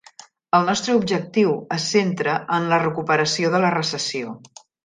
El nostre objectiu es centra en la recuperació de la recessió.